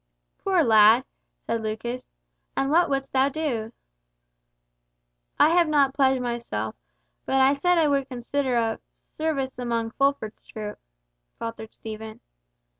"Poor lad!" said Lucas; "and what wouldst thou do?" "I have not pledged myself—but I said I would consider of—service among Fulford's troop," faltered Stephen.